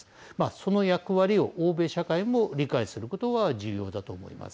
その役割を欧米社会も理解することは重要だと思います。